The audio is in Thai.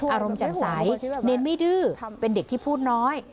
อารมณ์จำใสเนนไม่ดื้อเป็นเด็กที่พูดน้อย